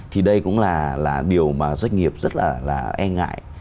thì đây cũng là điều mà doanh nghiệp rất là e ngại